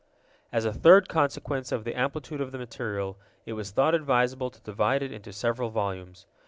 As a third consequence of the amplitude of the material, it was thought advisable to divide it into several volumes.